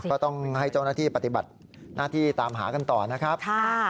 ก็ต้องให้เจ้าหน้าที่ปฏิบัติหน้าที่ตามหากันต่อนะครับ